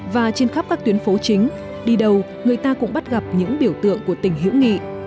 và trên khắp các tuyến phố chính đi đâu người ta cũng bắt gặp những biểu tượng của tình hữu nghị